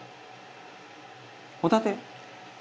「ホタテ？」